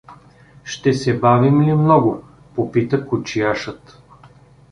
— Ще се бавим ли много? — попита кочияшът.